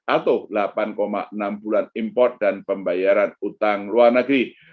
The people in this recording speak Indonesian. atau delapan enam bulan import dan pembayaran utang luar negeri